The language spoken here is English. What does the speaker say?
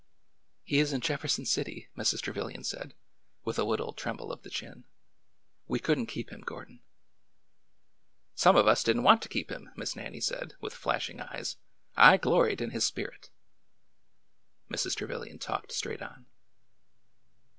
" He is in Jefferson City," Mrs. Trevilian said, with a ORDER NO. 11 190 little tremble of the chin. ''We could n't keep hin^ Gordon." " Some of us did n't want to keep him !" Miss Nannie said, with flashing eyes. " I gloried in his spirit." Mrs. Trevilian talked straight on.